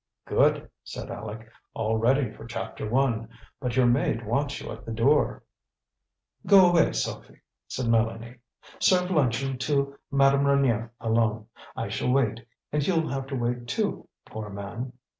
"Good!" said Aleck. "All ready for chapter one. But your maid wants you at the door." "Go away, Sophie," said Mélanie. "Serve luncheon to Madame Reynier alone. I shall wait; and you'll have to wait, too, poor man!"